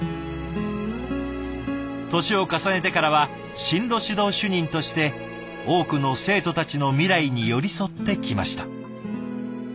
年を重ねてからは進路指導主任として多くの生徒たちの未来に寄り添ってきました。